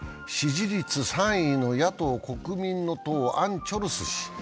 支持率３位の野党国民の党、アン・チョルス氏。